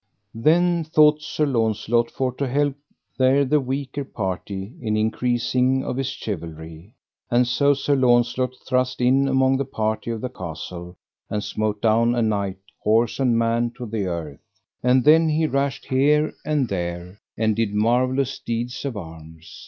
Then thought Sir Launcelot for to help there the weaker party in increasing of his chivalry. And so Sir Launcelot thrust in among the party of the castle, and smote down a knight, horse and man, to the earth. And then he rashed here and there, and did marvellous deeds of arms.